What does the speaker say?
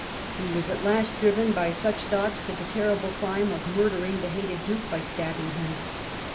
He was at last driven by such thoughts to the terrible crime of murdering the hated duke by stabbing him.